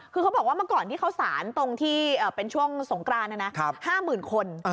คือเขาบอกว่าเมื่อก่อนที่เข้าสารตรงที่เป็นช่วงสงกราน๕๐๐๐คน